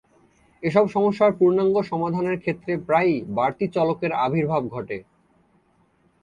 এসব সমস্যার পূর্ণাঙ্গ সমাধানের ক্ষেত্রে প্রায়ই বাড়তি চলকের আবির্ভাব ঘটে।